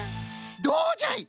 どうじゃい！？